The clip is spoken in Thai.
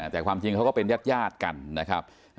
แต่ความจริงเขาก็เป็นญาติกันนะครับ